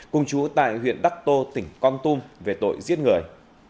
cùng chú tại huyện đắc tô tỉnh con tum về tội giết người